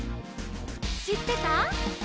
「しってた？」